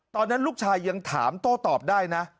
ตอนนั้นลูกชายยังถามโต้ตอบได้นะ